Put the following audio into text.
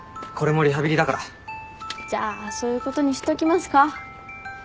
じゃあそういうことにしときますか。